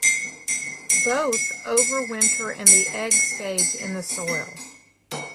Both overwinter in the egg stage in the soil.